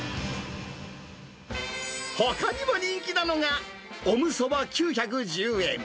ほかにも人気なのが、オムそば９１０円。